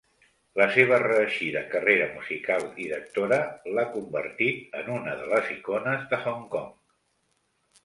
La seva reeixida carrera musical i d'actora l'ha convertit en una de les icones de Hong Kong.